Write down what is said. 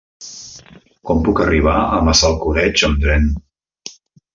Com puc arribar a Massalcoreig amb tren?